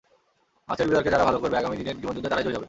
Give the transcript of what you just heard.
আজকের বিতর্কে যারা ভালো করবে আগামী দিনের জীবনযুদ্ধে তারাই জয়ী হবে।